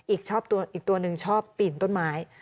อีกตัวหนึ่งชอบปีนต้นไม้